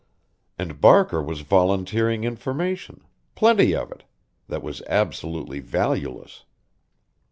And Barker was volunteering information plenty of it that was absolutely valueless.